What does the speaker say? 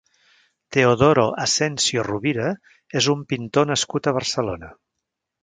Teodoro Asensio Rovira és un pintor nascut a Barcelona.